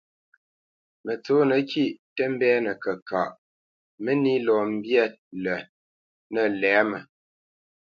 Mətsǒnə kîʼ tə mbɛ́nə kəkaʼ, mə́nī lɔ mbyâ lət nə̂ lɛ̌mə.